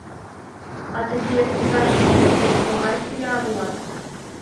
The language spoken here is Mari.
А тыге ужашыже тый могай паяр улат?